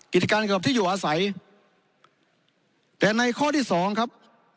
กิจการเกือบที่อยู่อาศัยแต่ในข้อที่สองครับ